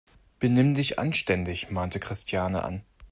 Benimm dich anständig!, mahnte Christiane an.